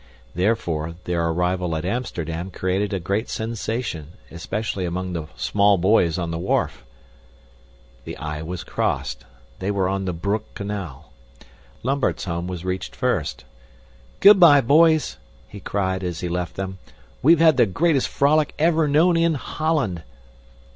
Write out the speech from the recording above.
Therefore, their arrival at Amsterdam created a great sensation, especially among the small boys on the wharf. The Y was crossed. They were on the Broek canal. Lambert's home was reached first. "Good bye, boys!" he cried as he left them. "We've had the greatest frolic ever known in Holland."